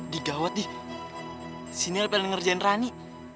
digawat nih sini yang lebih pengen ngerjain rani